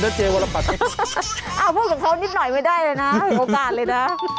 พูดกับเขานิดหน่อยไม่ได้เลยนะโอกาสเลยน่ะ